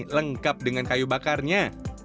lengkap dengan kayu bakarnya